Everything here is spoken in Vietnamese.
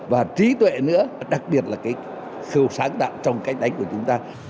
và trí tuệ nữa đặc biệt là cái khâu sáng tạo trong cách đánh của chúng ta